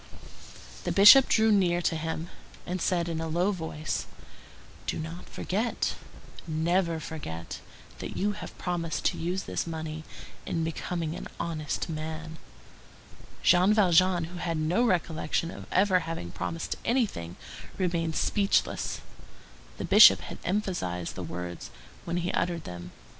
The Bishop drew near to him, and said in a low voice:— "Do not forget, never forget, that you have promised to use this money in becoming an honest man." Jean Valjean, who had no recollection of ever having promised anything, remained speechless. The Bishop had emphasized the words when he uttered them.